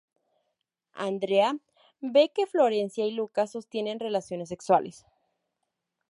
Andrea ve que Florencia y Lucas sostienen relaciones sexuales.